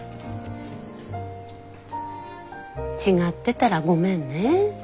違ってたらごめんね。